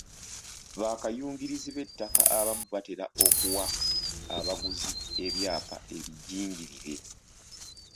Bakayungirizi b'ettaka abamu batera okuwa abaguzi ebyapa ebijingirire.